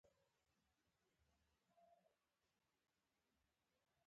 بریدمنه، لومړی تاسې پرې تېر شئ، د انارشیست.